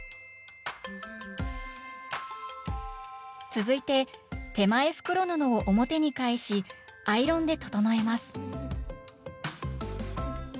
続いて手前袋布を表に返しアイロンで整えます